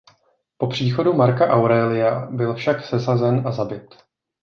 Po příchodu Marca Aurelia byl však sesazen a zabit.